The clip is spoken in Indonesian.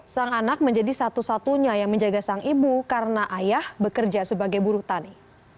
sang anak menjadi satu satunya yang menjaga sang ibu karena ayah bekerja sebagai buruh tani